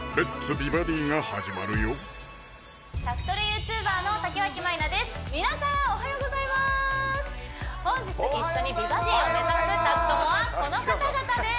美バディ」が始まるよ宅トレＹｏｕＴｕｂｅｒの竹脇まりなです本日一緒に美バディを目指す宅トモはこの方々です